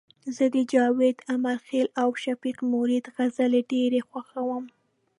زه د جاوید امرخیل او شفیق مرید غزلي ډيري خوښوم